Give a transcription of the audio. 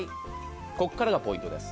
ここからがポイントです。